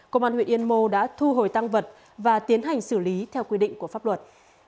công an huyện yên mô đã thu hồi tăng vật và tiến hành xử lý theo quy định của pháp luật